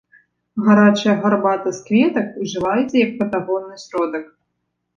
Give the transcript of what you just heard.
Гарачая гарбата з кветак ужываецца як патагонны сродак.